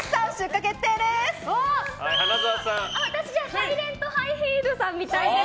サイレントハイヒールさん見たいです。